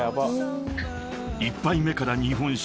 ［一杯目から日本酒。